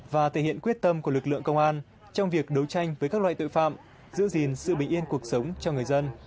và thể hiện quyết tâm của lực lượng công an trong việc đấu tranh với các loại tội phạm giữ gìn sự bình yên cuộc sống cho người dân